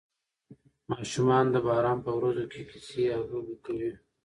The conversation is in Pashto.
ماشومان د باران په ورځو کې کیسې او لوبې کوي.